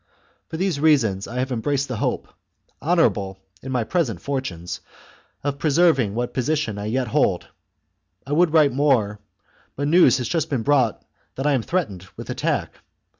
For these reasons I have embraced the hope, honourable in my present fortunes, of preserving what position I yet hold. I would write more, but news has just been brought that I am threatened with attack.